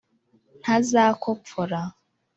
Ntazakopfora